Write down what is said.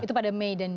itu pada mei dan juni